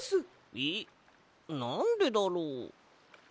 えっなんでだろう？